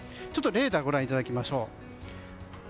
レーダーをご覧いただきましょう。